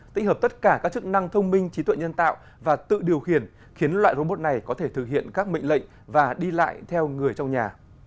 tích hợp tất cả các chức năng thông minh trí tuệ nhân tạo và tự điều khiển khiến loại robot này có thể thực hiện các mệnh lệnh và đi lại theo người trong nhà